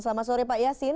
selamat sore pak yasin